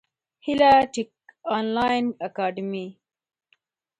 هیله ټېک انلاین اکاډمي